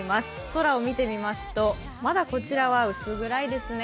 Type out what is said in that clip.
空を見てみますとまだこちらは薄暗いですね。